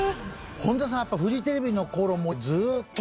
本田さんやっぱフジテレビの頃もうずっと真面目。